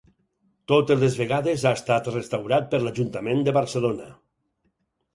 Totes les vegades ha estat restaurat per l'Ajuntament de Barcelona.